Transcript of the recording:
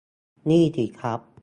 นี่สิครับ